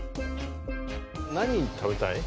何食べたい？